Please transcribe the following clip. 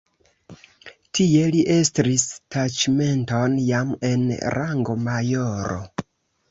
Tie li estris taĉmenton jam en rango majoro.